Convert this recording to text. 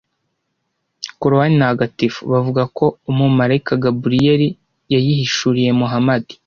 Korowani Ntagatifu: Bavuga ko umumarayika Gaburiyeli yayihishuriye Muhamadi